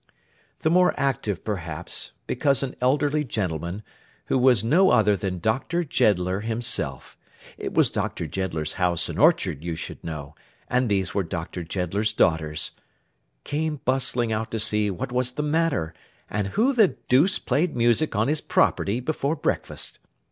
The more actively, perhaps, because an elderly gentleman, who was no other than Doctor Jeddler himself—it was Doctor Jeddler's house and orchard, you should know, and these were Doctor Jeddler's daughters—came bustling out to see what was the matter, and who the deuce played music on his property, before breakfast.